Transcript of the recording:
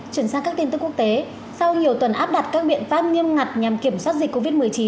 chuyển sang các tin tức quốc tế sau nhiều tuần áp đặt các biện pháp nghiêm ngặt nhằm kiểm soát dịch covid một mươi chín